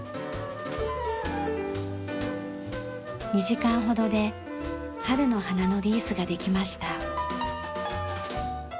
２時間ほどで春の花のリースができました。